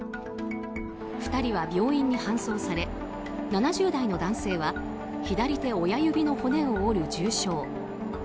２人は病院に搬送され７０代の男性は左手親指の骨を折る重傷。